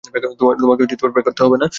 আরে, তোমাকে প্যাক করতে হবে না।